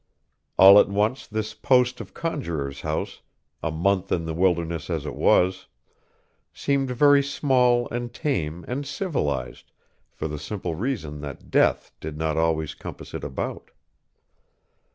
All at once this post of Conjuror's House, a month in the wilderness as it was, seemed very small and tame and civilized for the simple reason that Death did not always compass it about.